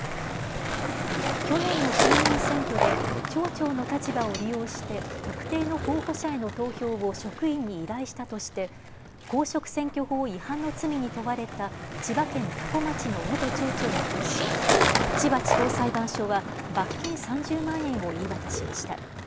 去年の衆議院選挙で町長の立場を利用して特定の候補者への投票を職員に依頼したとして、公職選挙法違反の罪に問われた千葉県多古町の元町長に対し千葉地方裁判所は罰金３０万円を言い渡しました。